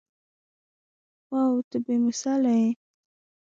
واو ته بې مثاله يې.